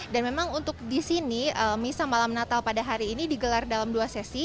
dan memang untuk di sini misa malam natal pada hari ini digelar dalam dua sesi